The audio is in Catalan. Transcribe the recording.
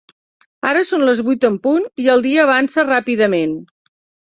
Ara són les vuit en punt i el dia avança ràpidament.